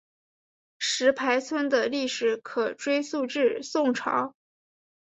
石牌村的历史可追溯至宋朝。